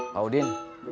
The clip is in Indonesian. pak udin gak usah dipaksa